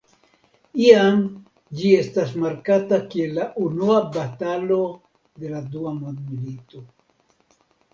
Iam ĝi estas markata kiel la unua batalo de la dua mondmilito.